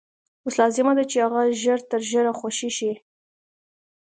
اوس لازمه ده چې هغه ژر تر ژره خوشي شي.